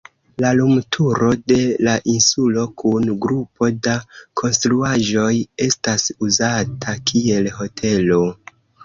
La lumturo de la insulo kun grupo da konstruaĵoj etas uzata kiel hotelo.